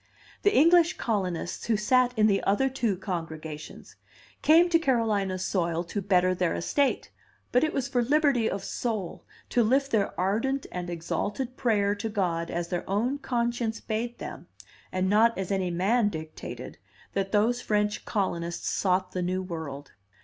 The English colonists, who sat in the other two congregations, came to Carolina's soil to better their estate; but it was for liberty of soul, to lift their ardent and exalted prayer to God as their own conscience bade them, and not as any man dictated, that those French colonists sought the New World.